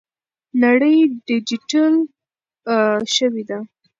نړۍ ډیجیټل شوې ده.